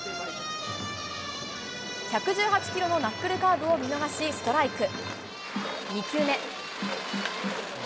１１８キロのナックルカーブを見逃し、ストライク。